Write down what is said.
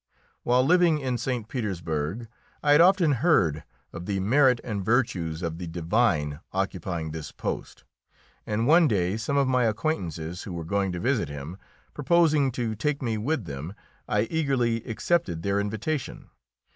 While living in St. Petersburg I had often heard of the merit and virtues of the divine occupying this post, and one day some of my acquaintances who were going to visit him, proposing to take me with them, I eagerly accepted their invitation.